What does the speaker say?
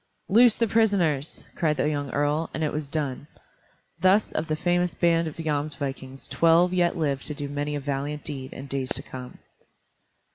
"Loose the prisoners!" cried the young earl, and it was done. Thus of the famous band of Jomsvikings twelve yet lived to do many a valiant deed in days to come.